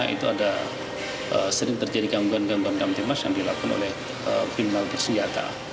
itu ada sering terjadi gangguan gangguan dalam timas yang dilakukan oleh primal bersenjata